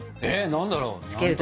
何だろう？